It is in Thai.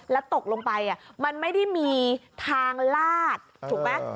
แล้วตกลงไปมันไม่ได้มีทางลาดถูกไหม